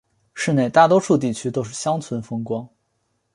市内大多数地区都是乡村风光。